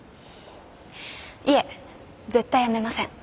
いえ絶対辞めません。